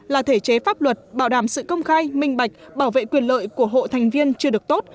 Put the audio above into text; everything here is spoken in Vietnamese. là thể chế pháp luật bảo đảm sự công khai minh bạch bảo vệ quyền lợi của hộ thành viên chưa được tốt